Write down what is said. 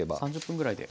３０分ぐらいで。